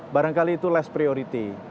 barangkali itu less priority